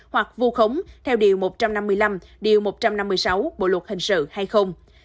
hoặc vu khống theo điều một trăm năm mươi năm điều một trăm năm mươi sáu bộ luật hình sự hay không